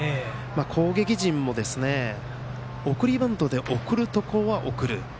攻撃陣も、送りバントで送るところは送る。